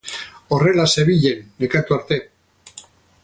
Horrela zebilen, nekatu arte.